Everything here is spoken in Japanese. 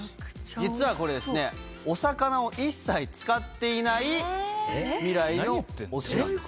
実はこれですね、お魚を一切使っていない未来のおすしなんです。